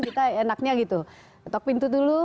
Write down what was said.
kita enaknya gitu ketok pintu dulu